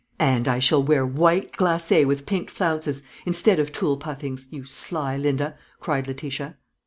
"And I shall wear white glacé with pinked flounces, instead of tulle puffings, you sly Linda," cried Letitia.